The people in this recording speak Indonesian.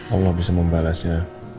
allah bisa membalasnya